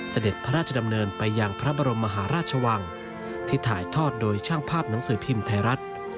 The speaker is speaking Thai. เสด็จพระราชดำเนินไปยังพระบรมมหาราชวังที่ถ่ายทอดโดยช่างภาพหนังสือพิมพ์ไทยรัฐ